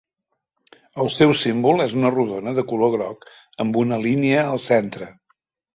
El seu símbol és una rodona de color groc amb una línia al centre.